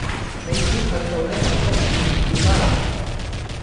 你估佢做呢份工掂唔掂吖嗱